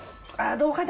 どうかな？